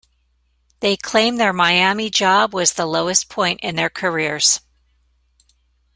They claim their Miami job was the lowest point in their careers.